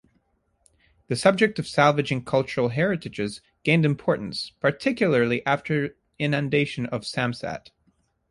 The subject of salvaging cultural heritages gained importance, particularly after inundation of Samsat.